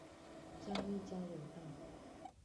嘉義交流道